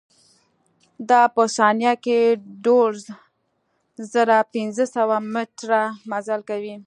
دا په ثانيه کښې دولز زره پنځه سوه مټره مزل کوي.